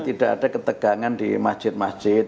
tidak ada ketegangan di masjid masjid